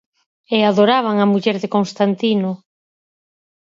E adoraban a muller de Constantino.